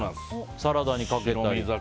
サラダにかけたり。